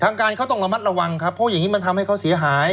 ทางการเขาต้องระมัดระวังครับเพราะอย่างนี้มันทำให้เขาเสียหาย